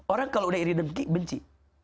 orang kalau udah iri demki benci